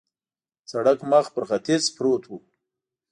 سړک مخ پر ختیځ پروت و.